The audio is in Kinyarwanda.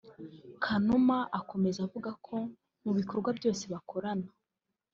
Kanuma akomeza avuga ko mu bikorwa byose bakorana